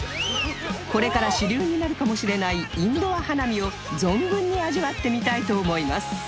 これから主流になるかもしれないインドア花見を存分に味わってみたいと思います